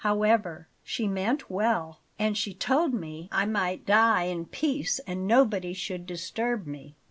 However, she meant well, and she told me I might die in peace and nobody should disturb me.